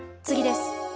次です。